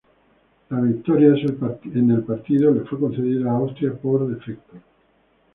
La victoria en el partido le fue concedida a Austria por defecto.